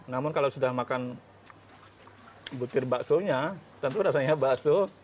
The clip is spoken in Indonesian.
namun kalau sudah makan butir baksonya tentu rasanya bakso